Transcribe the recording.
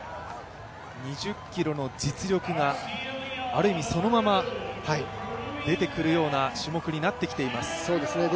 ２０ｋｍの実力がある意味そのまま出てくるような種目になっています。